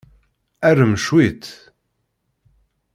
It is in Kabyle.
Arem cwiṭ.